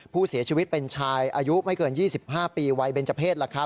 ผู้เสียชีวิตเป็นชายอายุไม่เกิน๒๕ปีวัยเบนเจอร์เพศ